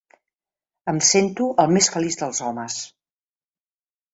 Em sento el més feliç dels homes.